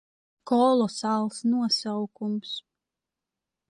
Kolosāls nosaukums.